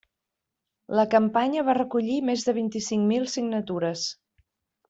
La campanya va recollir més de vint-i-cinc mil signatures.